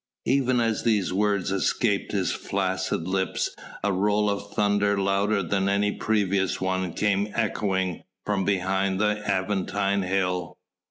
Even as these words escaped his flaccid lips a roll of thunder louder than any previous one came echoing from behind the Aventine Hill.